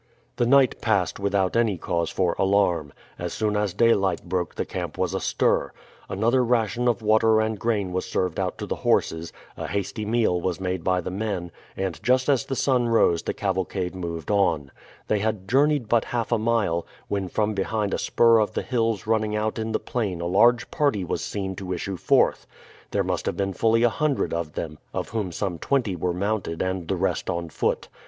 The night passed without any cause for alarm. As soon as daylight broke the camp was astir. Another ration of water and grain was served out to the horses, a hasty meal was made by the men, and just as the sun rose the cavalcade moved on. They had journeyed but half a mile, when from behind a spur of the hills running out in the plain a large party was seen to issue forth. There must have been fully a hundred of them, of whom some twenty were mounted and the rest on foot.